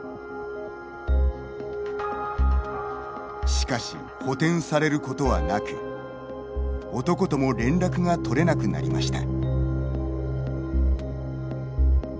しかし補填されることはなく男とも連絡が取れなくなりました。